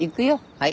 はい。